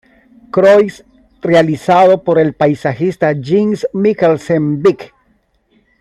Croix, realizado por el paisajista Jens Mikkelsen Beck.